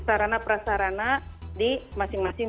sarana prasarana di masing masing